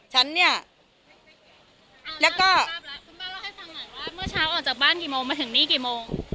ฉันเนี้ยแล้วก็เมื่อเช้าออกจากบ้านกี่โมงมาถึงนี่กี่โมง